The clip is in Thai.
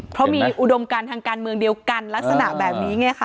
เพราะมีอุดมการทางการเมืองเดียวกันลักษณะแบบนี้ไงค่ะ